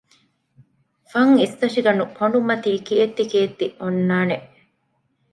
ފަން އިސްތަށިގަނޑު ކޮނޑުމަތީ ކޭއްތި ކޭއްތި އޮންނާނެ